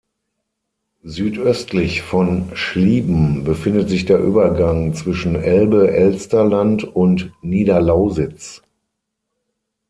Südöstlich von Schlieben befindet sich der Übergang zwischen Elbe-Elster-Land und Niederlausitz.